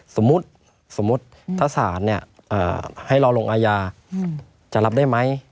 สมมุติถ้าศาสตร์ให้รอลงอาญาจะรับได้ไหม